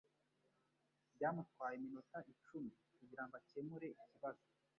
Byamutwaye iminota icumi kugirango akemure ikibazo